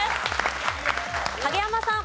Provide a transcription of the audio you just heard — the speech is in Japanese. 影山さん。